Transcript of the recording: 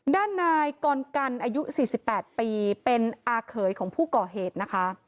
ด้านนายกรกันอายุ๔๘ปีเป็นอาเขยของผู้ก่อเหตุนะคะ